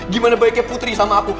gimana baiknya putri sama aku